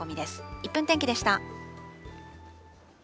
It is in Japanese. １分天気でした。